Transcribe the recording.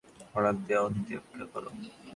Order দেয়া অব্ধি অপেক্ষা কর।